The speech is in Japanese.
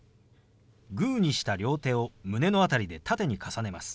グーにした両手を胸の辺りで縦に重ねます。